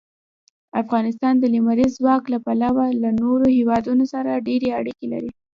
افغانستان د لمریز ځواک له پلوه له نورو هېوادونو سره ډېرې اړیکې لري.